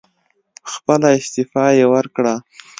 خپله استعفی یې ورکړه.